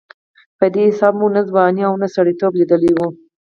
په دې حساب مو نه ځواني او نه سړېتوب لېدلې وه.